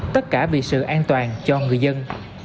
tất cả vì sự an toàn cho người dân